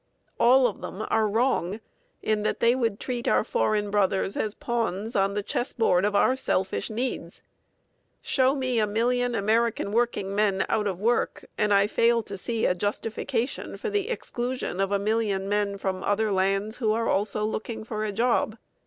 All of them are wrong in that they would treat our foreign brothers as pawns on the chessboard of our selfish needs. Show me a million American workingmen out of work, and I fail to see a justification for the exclusion of a million men from other lands who are also looking for a job.